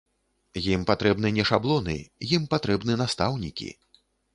Ім патрэбны не шаблоны, ім патрэбны настаўнікі.